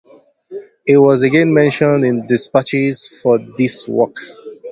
He was again Mentioned in Despatches for this work.